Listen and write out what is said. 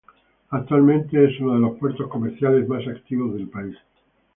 Actualmente es uno de los puertos comerciales más activos del país.